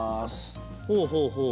ほうほうほう。